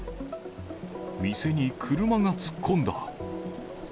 店に車が突っ込んだ。